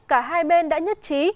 cả hai bên đã nhất trí